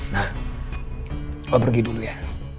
nah coba pergi dulu ya